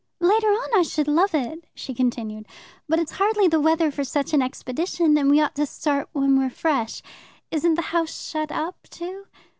"Later on I should love it," she continued, "but it's hardly the weather for such an expedition, and we ought to start when we're fresh. Isn't the house shut up, too?"